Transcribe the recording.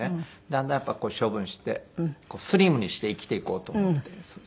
だんだんやっぱり処分してスリムにして生きていこうと思ってるんですよ。